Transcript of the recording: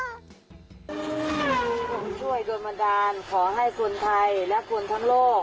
ผมช่วยโดนบันดาลขอให้คนไทยและคนทั้งโลก